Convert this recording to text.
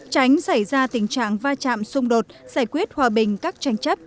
tránh xảy ra tình trạng va chạm xung đột giải quyết hòa bình các tranh chấp